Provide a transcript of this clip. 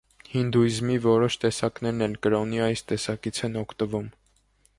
Հինդուիզմի որոշ տեսակներն էլ կրոնի այս տեսակից են օգտվում։